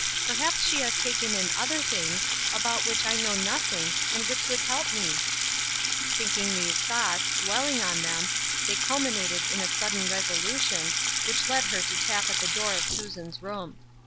Perhaps she has taken in other things, about which I know noth ing, and which would help me ?" Thinking these thoughts, dwelling on them, they culminated in a sudden resolution, which led her to tap at the door of Susan's room.